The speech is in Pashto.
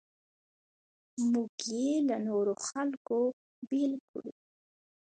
موږ یې له نورو خلکو بېل کړو.